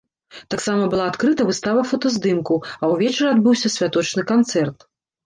Таксама была адкрыта выстава фотаздымкаў, а ўвечары адбыўся святочны канцэрт.